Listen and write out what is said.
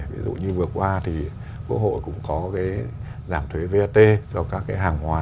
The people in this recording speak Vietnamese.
ví dụ như vừa qua thì quốc hội cũng có cái giảm thuế vat cho các cái hàng hòa